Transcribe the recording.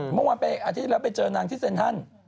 เมื่ออาทิตย์ที่แล้วไปเจอนางที่เซ็นทัน